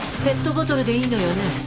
ペットボトルでいいのよね。